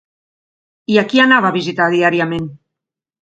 I a qui anava a visitar diàriament?